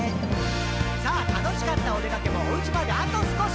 「さぁ楽しかったおでかけもお家まであと少し」